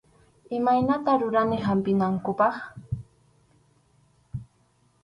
Imaymanata rurani hampinankupaq.